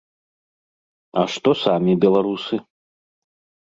А што самі беларусы?